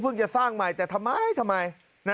เพิ่งจะสร้างใหม่แต่ทำไม